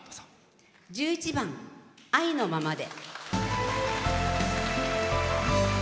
１１番「愛のままで」。